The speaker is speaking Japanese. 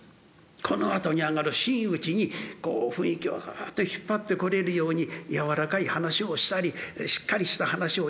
このあとに上がる真打ちにこう雰囲気をぐっと引っ張ってこれるようにやわらかい話をしたりしっかりした話をやる。